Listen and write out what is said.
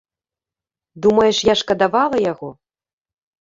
Думаеш, я шкадавала яго?